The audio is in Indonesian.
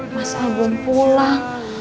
masa belum pulang